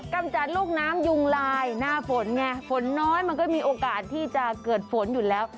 กำจัดลูกน้ำยุงลายหน้าฝนไงฝนน้อยมันก็มีโอกาสที่จะเกิดฝนอยู่แล้ว